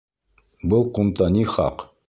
Был ҡумта ни хаҡ?